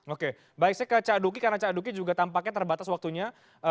oke baik saya ke cak duki karena ca duki juga tampaknya terbatas waktunya